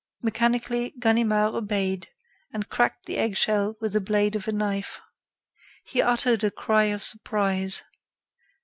Mechanically, Ganimard obeyed, and cracked the egg shell with the blade of a knife. He uttered a cry of surprise.